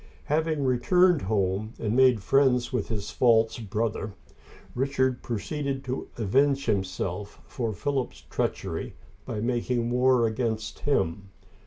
Having returned home and made friends with his false brother, Richard proceeded to avenge himself for Philip's treachery by making war against him.